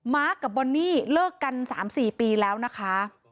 กับบอนนี่เลิกกัน๓๔ปีแล้วนะคะ